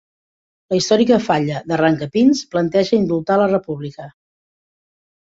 La històrica Falla d'Arrancapins planteja indultar la República